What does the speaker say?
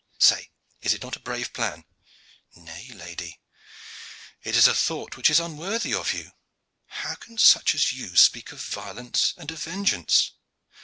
Say, is not that a brave plan?" "Nay, lady, it is a thought which is unworthy of you. How can such as you speak of violence and of vengeance.